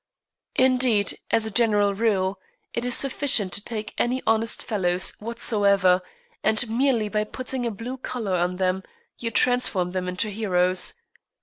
Indeed, as a general rule, it is sufficient to take any honest fellows whatsoever, and merely by putting a blue collar on them, you transform them into heroes.